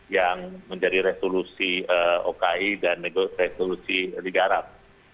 yang menjadi resolusi oki dan resolusi liga arab